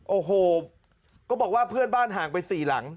โอ้โหก็บอกว่าเพื่อนบ้านห่างไป๔หลัง